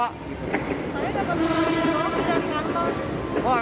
saya dapat bukti surat keterangan